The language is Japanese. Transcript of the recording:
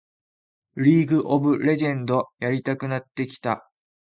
リーグ・オブ・レジェンドやりたくなってきた